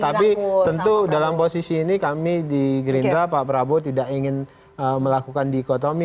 tapi tentu dalam posisi ini kami di gerindra pak prabowo tidak ingin melakukan dikotomi